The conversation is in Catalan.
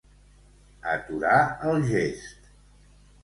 Aturar el gest.